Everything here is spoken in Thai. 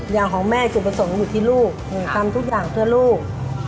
อย่างของแม่จุดประสงค์อยู่ที่ลูกหนูทำทุกอย่างเพื่อลูก